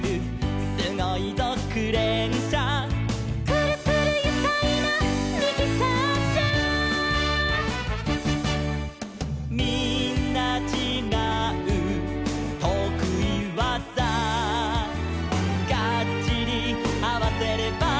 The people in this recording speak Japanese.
「すごいぞクレーンしゃ」「くるくるゆかいなミキサーしゃ」「みんなちがうとくいわざ」「ガッチリあわせれば」